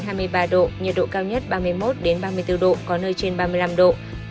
nhiệt độ cao nhất ba mươi một ba mươi bốn độ có nơi trên ba mươi năm độ